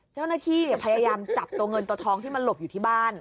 เจ้าหน้าที่พยายามจับตัวเงินตัวทองที่มันหลบอยู่ที่บ้าน